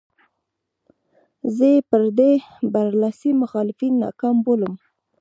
زه یې پر ده برلاسي مخالفین ناکام بولم.